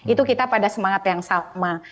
itu kita pada semangat yang sama